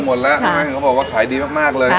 เขาก็พูดว่าขายได้มากเลยนะครับ